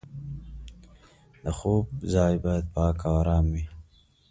د خوب ځای باید پاک او ارام وي.